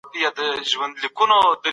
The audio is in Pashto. د سولي پیغام د هر انسان په ګټه دی.